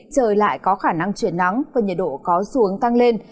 trời lại có khả năng chuyển nắng và nhiệt độ có xuống tăng lên